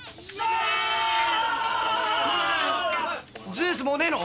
ジュースもうねえの？